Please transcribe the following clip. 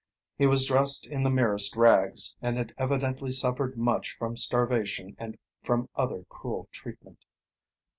He was dressed in the merest rags, and had evidently suffered much from starvation and from other cruel treatment.